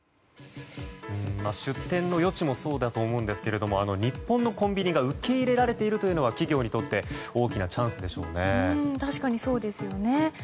出店の余地もそうだと思いますが日本のコンビニが受け入れられているというのは企業にとって大きなチャンスでしょうね。